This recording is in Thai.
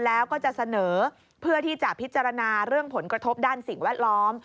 แล้วก็จะเสนอเพื่อที่จะพิจารณาเรื่องผลกระทบด้านสิ่งแวดล้อม